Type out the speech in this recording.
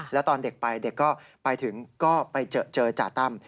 แล้วตอนเด็กไปเด็กก็ไปถึงก็ไปเจอจ่าตั้ม